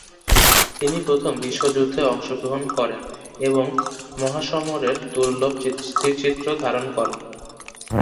তিনি প্রথম বিশ্বযুদ্ধে অংশগ্রহণ করেন এবং মহাসমরের দুর্লভ স্থিরচিত্র ধারণ করেন।